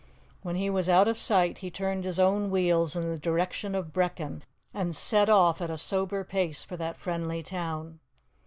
When he was out of sight he turned his own wheels in the direction of Brechin, and set off at a sober pace for that friendly town.